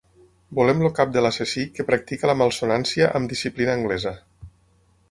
Volem el cap de l'assassí que practica la malsonància amb disciplina anglesa.